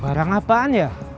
barang apaan ya